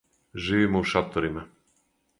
Живимо у шаторима.